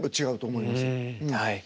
はい。